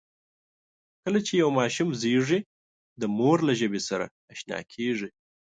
کله چې یو ماشوم زېږي، د مور له ژبې سره آشنا کېږي.